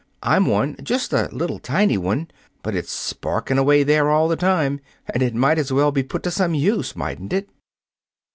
I'm one. Just a little tiny one. But it's sparking away there all the time, and it might as well be put to some use, mightn't it?"